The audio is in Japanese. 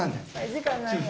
時間ないよ。